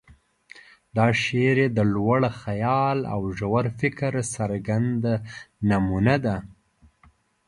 دا شعر یې د لوړ خیال او ژور فکر څرګنده نمونه ده.